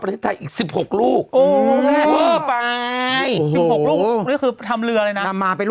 โทษทีน้องโทษทีน้อง